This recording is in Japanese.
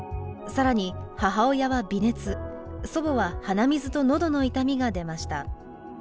更に母親は微熱祖母は鼻水とのどの痛みが出ました。